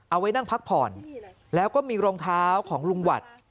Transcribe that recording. เอาไว้นั่งพักผ่อนแล้วก็มีรองเท้าของลุงหวัด